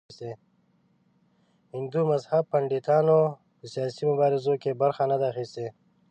هندو مذهب پنډتانو په سیاسي مبارزو کې برخه نه ده اخیستې.